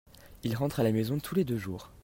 Il rentre à la maison tous les deux jours.